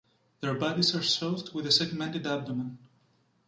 Their bodies are soft with a segmented abdomen.